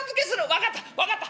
「分かった分かった。